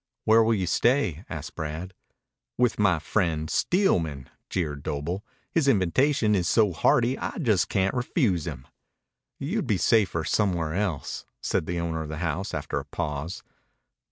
"Where will you stay?" asked Brad. "With my friend Steelman," jeered Doble. "His invitation is so hearty I just can't refuse him." "You'd be safer somewhere else," said the owner of the house after a pause.